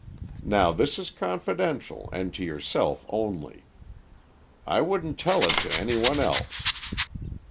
Now, this is confidential and to yourself only. I wouldn't tell it to any one else.